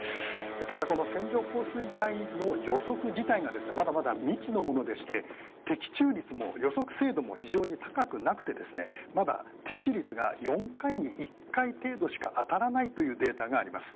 ただこの線状降水帯の予測自体がまだまだ未知のものでして的中率も予測精度も非常に高くなくてまだ的中率が４回に１回程度しか当たらないというデータがあります。